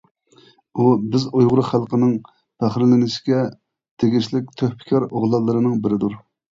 ئۇ بىز ئۇيغۇر خەلقىنىڭ پەخىرلىنىشكە تېگىشلىك تۆھپىكار ئوغلانلىرىنىڭ بىرىدۇر!